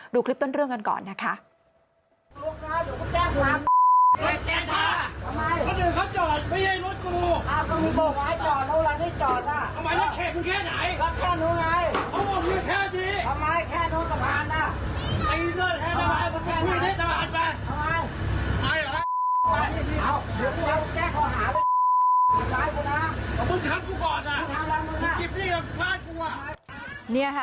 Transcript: ดูคลิปต้นเรื่องกันก่อนนะคะ